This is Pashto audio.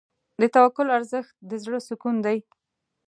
د توکل ارزښت د زړه سکون دی.